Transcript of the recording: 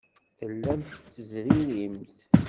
Tellamt tettezririmt.